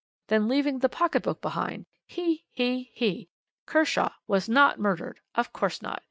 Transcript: Then leaving the pocket book behind! He! he! he! Kershaw was not murdered! Of course not.